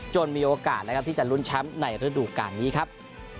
จนมีโอกาสที่จะลุ้นช้ำในฤดูกการนี้ครับ